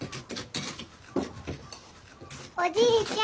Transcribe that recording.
おじいちゃん。